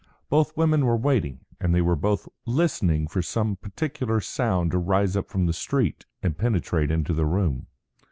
Both women were waiting, and they were both listening for some particular sound to rise up from the street and penetrate into the room.